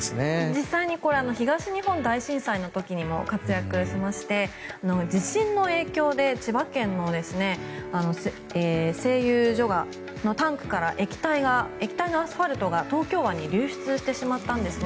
実際に東日本大震災の時にも活躍しまして、地震の影響で千葉県の製油所のタンクから液体のアスファルトが東京湾に流出してしまったんです。